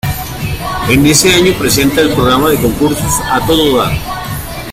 En ese año presenta el programa de concursos, A todo dar.